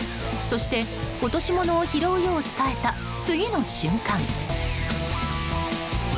そして、落とし物を拾うよう伝えた次の瞬間。